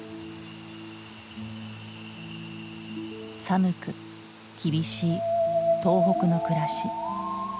寒く厳しい東北の暮らし。